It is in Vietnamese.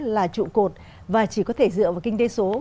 là trụ cột và chỉ có thể dựa vào kinh tế số